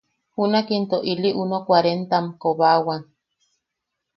Junak into ili uno kuarentam kobaawan.